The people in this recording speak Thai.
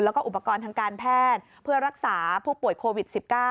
แล้วก็อุปกรณ์ทางการแพทย์เพื่อรักษาผู้ป่วยโควิด๑๙